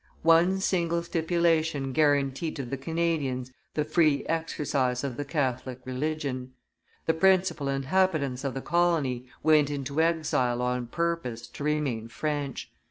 One single stipulation guaranteed to the Canadians the free exercise of the Catholic religion. The principal inhabitants of the colony went into exile on purpose to remain French.